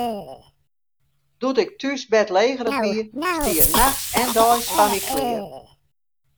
Doe't ik thús bêdlegerich wie, stie er nachts en deis foar my klear.